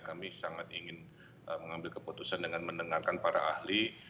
kami sangat ingin mengambil keputusan dengan mendengarkan para ahli